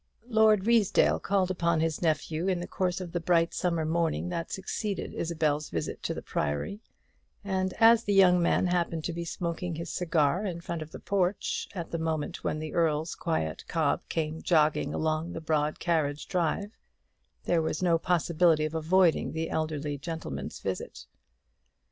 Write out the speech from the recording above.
Lord Ruysdale called upon his nephew in the course of the bright summer morning that succeeded Isabel's visit to the Priory; and as the young man happened to be smoking his cigar in front of the porch at the moment when the Earl's quiet cob came jogging along the broad carriage drive, there was no possibility of avoiding the elderly gentleman's visit.